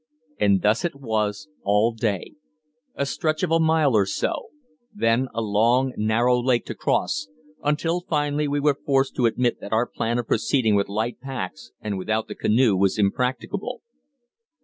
And thus it was all day: a stretch of a mile or so; then a long, narrow lake to cross, until finally we were forced to admit that our plan of proceeding with light packs and without the canoe was impracticable.